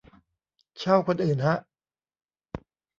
เช่าคนอื่นฮะ